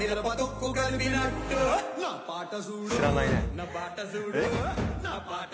知らないね